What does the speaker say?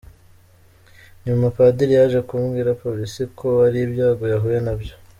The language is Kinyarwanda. Nyuma padiri yaje kubwira polisi ko ari ibyago yahuye nabyo.